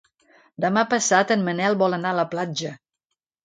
Demà passat en Manel vol anar a la platja.